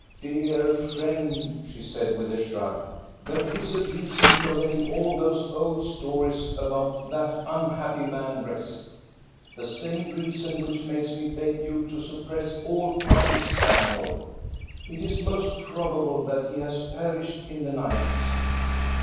Dear friend," she said with a shrug, " there is a reason for letting all those old stories about that un happy man rest, — the same reason which makes me beg you to suppress all public scandal. It is most probable that he has perished in the night."